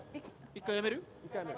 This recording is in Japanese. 一回やめる？